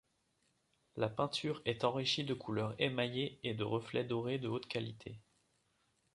La peinture est enrichie de couleurs émaillées et de reflets dorés de haute qualité.